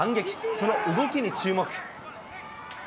その動きに注目。